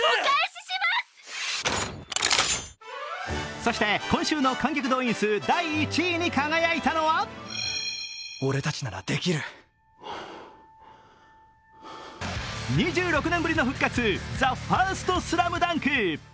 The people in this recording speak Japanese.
そして今週の観客動員数、第１位に輝いたのは、２６年ぶりの復活「ＴＨＥＦＩＲＳＴＳＬＡＭＤＵＮＫ」。